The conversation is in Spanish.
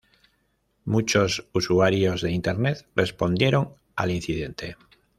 Muchos usuarios de internet respondieron al incidente.